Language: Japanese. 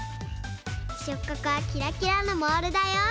しょっかくはキラキラのモールだよ。